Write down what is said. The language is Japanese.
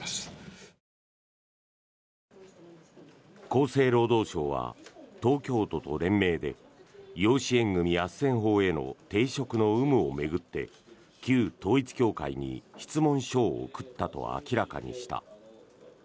厚生労働省は東京都と連名で養子縁組あっせん法への抵触の有無を巡って旧統一教会に質問書を送ったと明らかにした。